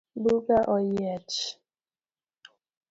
Buga oyiech.